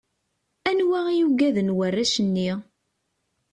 Anwa i ugaden warrac-nni?